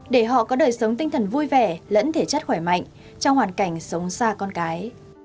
để họ có đời sống tinh thần vui vẻ lẫn thể chất khỏe mạnh trong hoàn cảnh sống xa con cái